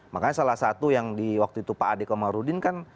makanya salah satu yang di waktu itu pak adekomarudin kan